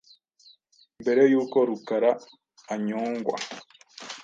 Mbere y’uko Rukara anyongwa